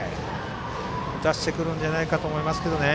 打たしてくるんじゃないかと思いますけどね。